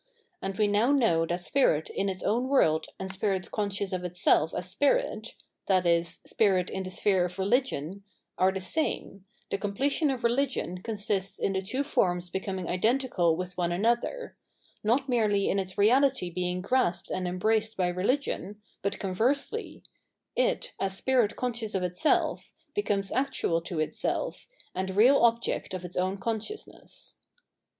As we now know that spirit in its own world and spirit conscious of itseH as spirit, i.e. spirit in the sphere of rehgion, are the same, the completion of religion consists in the two forms becoming identical with one another : not merely in its reality being grasped ^n^ embraced by religion, but conversely — it, as spirit it COl * Vo rsteliung. t Begriff. Religion G89 conscious of itself, becomes actual to itself, and real object of its own consciousness.